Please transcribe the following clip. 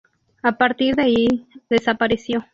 A partir de ahí desapareció.